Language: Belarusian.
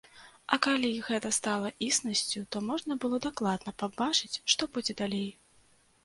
А калі гэта стала існасцю, то можна было дакладна пабачыць, што будзе далей.